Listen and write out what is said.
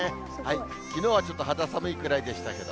きのうはちょっと肌寒いくらいでしたけど。